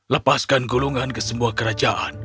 lepaskan gulungan ke sebuah kerajaan